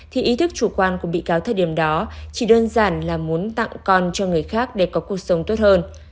thì ý thức chủ quan của bị cáo thời điểm đó chỉ đơn giản là muốn tặng con cho người khác để có cuộc sống tốt hơn